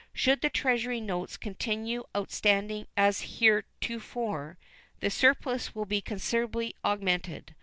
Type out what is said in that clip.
Should the Treasury notes continue outstanding as heretofore, that surplus will be considerably augmented.